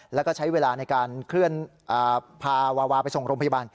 แล้วก็ใช้เวลาในการเคลื่อนพาวาวาไปส่งโรงพยาบาล